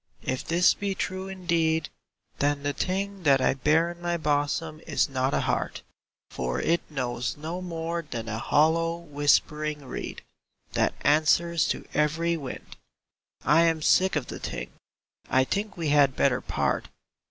If this be true indeed Then the thing that I bear in my bosom is not a heart; For it knows no more than a hollow, whispering reed That answers to every wind. I am sick of the thing ! I think we had better part.